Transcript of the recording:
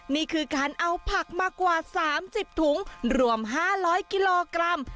นี่คือการเอาผักมากว่า๓๐ถุงรวม๕๐๐กิโลกรัม